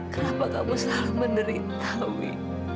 kenapa kamu selalu menderita wi